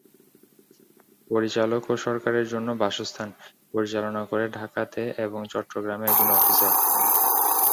পরিচালক ও সরকারের জন্য বাসস্থান পরিচালনা করে ঢাকাতে এবং চট্টগ্রাম এ, একজন অফিসার।